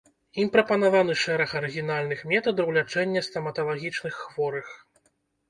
Ім прапанаваны шэраг арыгінальных метадаў лячэння стаматалагічных хворых.